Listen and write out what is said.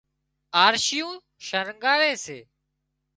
آرشيون شڻڳاري سي